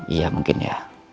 iya mungkin ya